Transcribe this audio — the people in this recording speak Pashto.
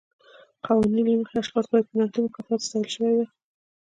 قوانینو له مخې اشخاص باید په نغدي مکافاتو ستایل شوي وای.